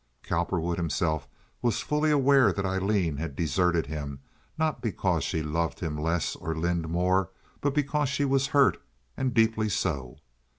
Cowperwood himself was fully aware that Aileen had deserted him, not because she loved him less or Lynde more, but because she was hurt—and deeply so.